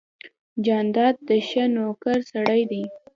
جانداد د ښه نویکر سړی دی.